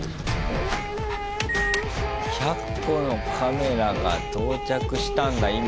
１００個のカメラが到着したんだ今。